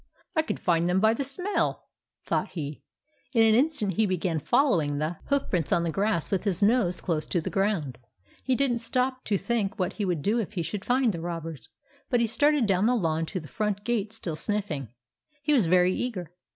" I could find them by the smell," thought he. In an instant he began following the THE ROBBERS 57 hoof prints on the grass with his nose close to the ground. He did n't stop to think what he could do if he should find the robbers, but he started down the lawn to the front gate still sniffing. He was very eager.